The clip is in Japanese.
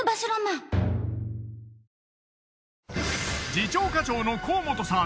次長課長の河本さん。